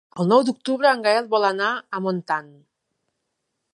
El nou d'octubre en Gaël vol anar a Montant.